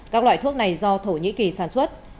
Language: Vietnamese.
các loại thuốc này do thổ nhĩ kỳ sản xuất